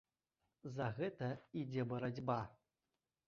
За гэта ідзе барацьба.